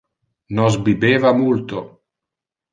Nos bibeva multo.